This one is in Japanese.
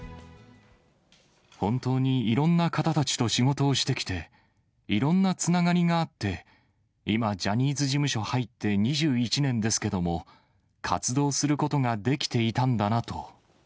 本当にいろんな方たちと仕事をしてきて、いろんなつながりがあって、今、ジャニーズ事務所入って２１年ですけども、活動することができていたんだなと。